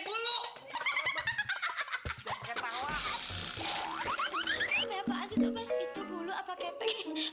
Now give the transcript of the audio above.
guarda di scap apaan sih